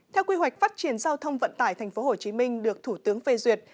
theo quy hoạch phát triển giao thông vận tải tp hcm được thủ tướng phê duyệt